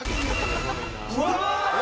うわ！